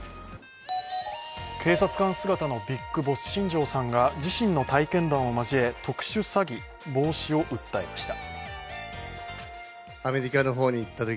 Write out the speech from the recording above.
警察官姿のＢＩＧＢＯＳＳ、新庄さんが自身の体験談を交え、特殊詐欺防止を訴えました。